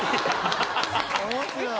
面白い。